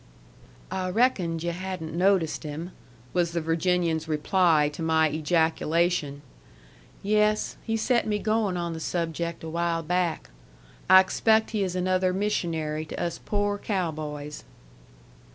"I reckoned yu' hadn't noticed him," was the Virginian's reply to my ejaculation. "Yes. He set me goin' on the subject a while back. I expect he is another missionary to us pore cow boys."